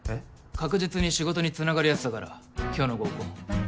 確実に仕事につながるやつだから今日の合コン。